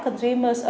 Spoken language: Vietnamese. chúng tôi đã xử lý